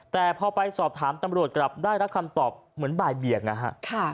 แต่พอไปสอบถามตำรวจกลับได้รับคำตอบเหมือนบ่ายเบียงนะฮะ